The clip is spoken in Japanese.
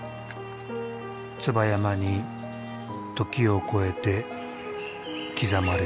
椿山に時を超えて刻まれる。